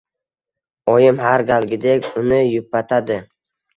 Oyim har galgidek uni yupatadi.